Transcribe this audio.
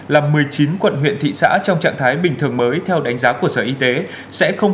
là một mươi chín quận huyện thị xã trong trạng thái bình thường mới theo đánh giá của sở y tế sẽ không